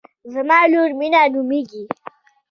زما لور مینه نومیږي